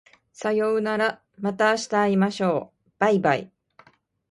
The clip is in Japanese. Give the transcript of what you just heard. さようならまた明日会いましょう baibai